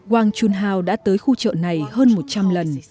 wang chunhao đã tới khu chợ này hơn một trăm linh lần